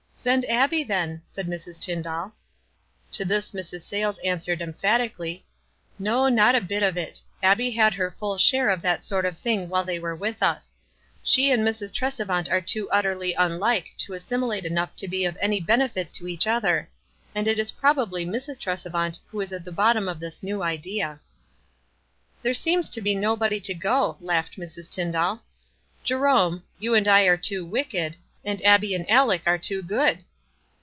"Send Abbie, then," said Mrs. Tyndall. To this Mrs. Sayles answered, emphatically, —" No, not a bit of it. Abbie had her full share of that sort of thing while they were with us. She and Mrs. Tresevant are too utterly unlike to assimilate enough to be of any benefit to each other ; and it is probably Mrs. Tresevant who is at the bottom of this new idea." "There seems to be nobody to go," laughed Mrs. Tyndall. "Jerome, you and I are too wicked, and Abbie and Aleck are too good."